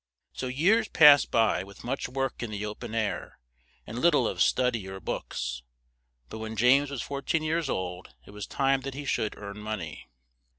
So years passed by with much work in the o pen air and lit tle of stud y or books; but when James was four teen years old it was time that he should earn mon ey.